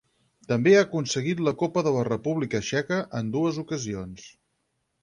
També ha aconseguit la Copa de la República Txeca en dues ocasions.